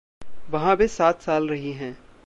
वहाँ वे सात साल रही हैं।